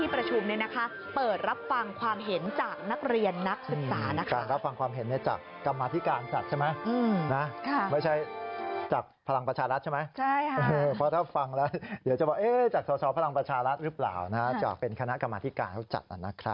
ประชาวภลังประชารัฐหรือเปล่าจะออกเป็นคณะกรรมาธิการเท่าจัด